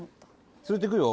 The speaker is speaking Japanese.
連れていくよ